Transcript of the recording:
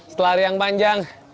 setelah hari yang panjang